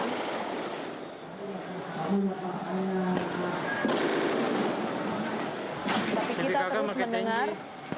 tapi kita terus mendengar